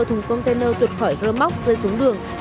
thùng container tuột khỏi rô móc rơi xuống đường